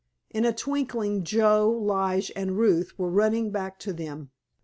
In a twinkling Joe, Lige and Ruth were running back to them.